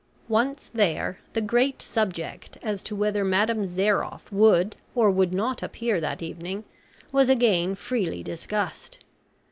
Once there the great subject as to whether Madame Zairoff would or would not appear that evening, was again freely discussed.